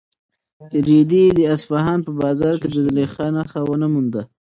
رېدي د اصفهان په بازار کې د زلیخا نښه ونه مونده.